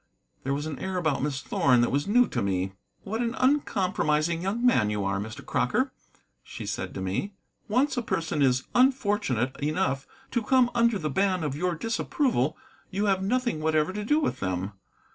There was an air about Miss Thorn that was new to me. "What an uncompromising man you are, Mr. Crocker," she said to me. "Once a person is unfortunate enough to come under the ban of your disapproval you have nothing whatever to do with them.